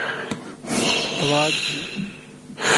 اوادھی